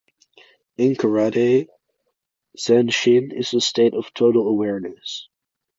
In "karate", "zanshin" is the state of total awareness.